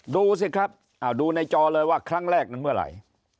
ดูสิครับดูในจอเลยว่าครั้งแรกนั้นเมื่อไหร่